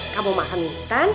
kamu makan mie instan